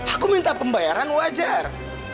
aku minta pembayaran wajar